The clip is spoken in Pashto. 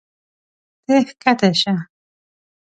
ته ښکته شه.